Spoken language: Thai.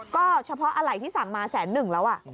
ก็เฉพาะอะไรที่สั่งมาแสนหนึ่งแล้ว